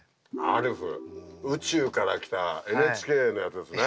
宇宙から来たＮＨＫのやつですね。